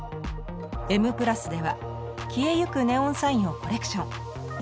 「Ｍ＋」では消えゆくネオンサインをコレクション。